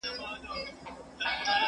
هغه وويل چي کالي پاک دي!